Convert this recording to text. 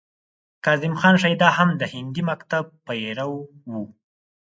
کاظم خان شیدا هم د هندي مکتب پیرو و.